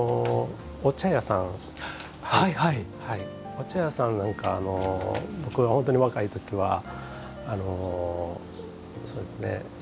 お茶屋さんなんか僕が本当に若い時はあのそうですね